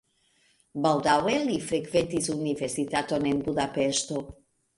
Baldaŭe li frekventis universitaton en Budapeŝto.